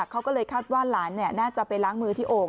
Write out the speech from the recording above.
เขาก็เลยคาดว่าหลานน่าจะไปล้างมือที่โอ่ง